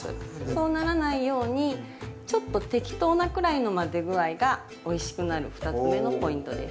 そうならないようにちょっと適当なくらいの混ぜ具合がおいしくなる２つ目のポイントです。